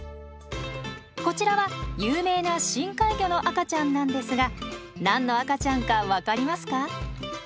こちらは有名な深海魚の赤ちゃんなんですが何の赤ちゃんか分かりますか？